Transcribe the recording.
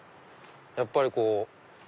やっぱりこう。